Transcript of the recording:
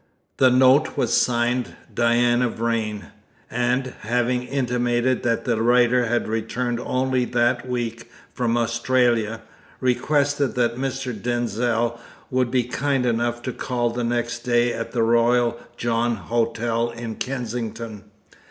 The note was signed Diana Vrain, and, having intimated that the writer had returned only that week from Australia, requested that Mr. Denzil would be kind enough to call the next day at the Royal John Hotel in Kensington.